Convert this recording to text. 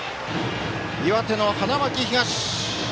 岩手の花巻東。